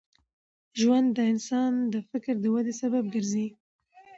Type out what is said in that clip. ژوند د انسان د فکر د ودې سبب ګرځي.